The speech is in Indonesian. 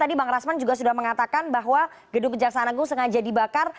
tadi bang rasman juga sudah mengatakan bahwa gedung kejaksaan agung sengaja dibakar